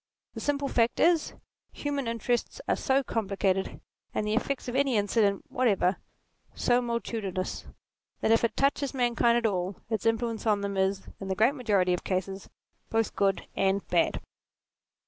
The simple fact is, human interests are so compli cated, and the effects of any incident whatever so multitudinous, that if it touches mankind at all, its influence on them is, in the great majority of cases, both good and bad.